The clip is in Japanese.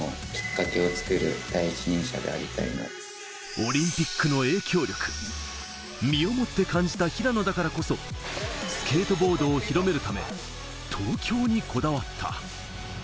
オリンピックの影響力を身をもって感じた平野だからこそ、スケートボードを広めるため、東京にこだわった。